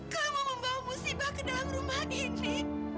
kamu membawa musibah ke dalam rumah diri